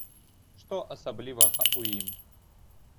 Што асаблівага ў ім?